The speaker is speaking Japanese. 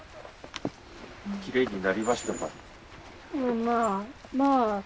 きれいになりましたか？